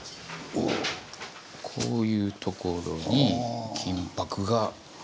こういうところに金箔が。